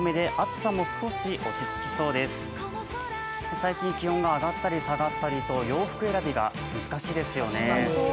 最近、気温が上がったり下がったりと洋服選びが難しいですよね。